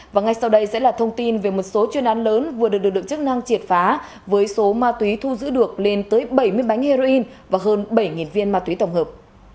và ngay sau đây sẽ là thông tin về một số chuyên án lớn vừa được lực lượng chức năng triệt phá với số ma túy thu giữ được lên tới bảy mươi bánh heroin và hơn bảy viên ma túy tổng hợp